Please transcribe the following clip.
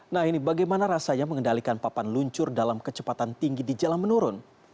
nah ini bagaimana rasanya mengendalikan papan luncur dalam kecepatan tinggi di jalan menurun